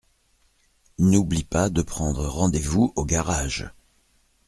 N’oublie pas de prendre rendez-vous au garage.